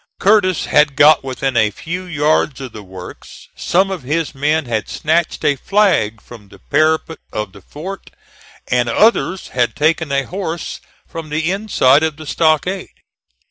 Curtis had got within a few yards of the works. Some of his men had snatched a flag from the parapet of the fort, and others had taken a horse from the inside of the stockade.